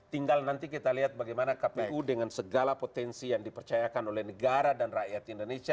tinggal nanti kita lihat bagaimana kpu dengan segala potensi yang dipercayakan oleh negara dan rakyat indonesia